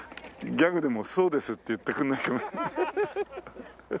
ギャグでも「そうです」って言ってくれないかな？